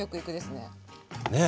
ねえ。